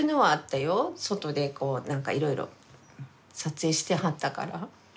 外でこう何かいろいろ撮影してはったから。